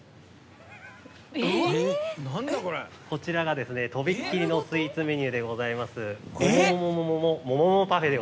こちらがですね飛びっ切りのスイーツメニューでございます。